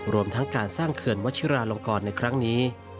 รวมทั้งการสร้างเขื่อนวัชิราลงกรในครั้งนี้